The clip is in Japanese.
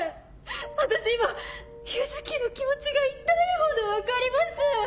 私今結月の気持ちが痛いほど分かります！